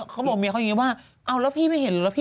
เขาบอกเมียเขาอย่างนี้ว่าเอาแล้วพี่ไม่เห็นเหรอพี่